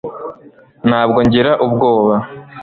ntabwo ngira ubwoba